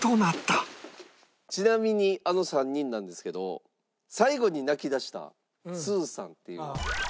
ちなみにあの３人なんですけど最後に泣き出したすうさんっていう女の子が。